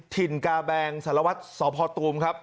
ถิ่นกาแบงสาลวัทธ์สมพทุมครับ